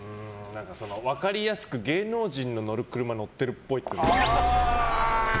分かりやすく芸能人の乗る車乗ってるっぽい。